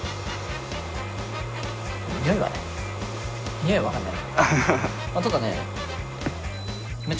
においは分かんない。